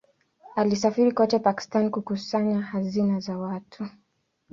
Alisafiri kote Pakistan kukusanya hazina za watu.